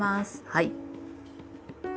はい。